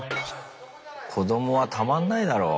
子どもはたまんないだろう。